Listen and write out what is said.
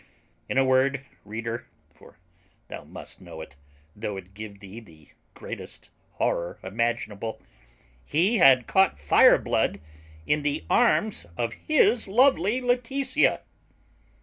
In a word, reader (for thou must know it, though it give thee the greatest horror imaginable), he had caught Fireblood in the arms of his lovely Laetitia.